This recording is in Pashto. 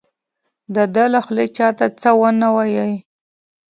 د ده له خولې چا ته څه ونه وایي.